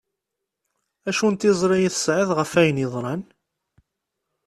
Acu n tiẓri i tesεiḍ ɣef ayen yeḍran?